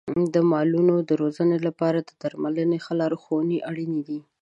د مالونو د روزنې لپاره د درملنې ښه لارښونې اړین دي.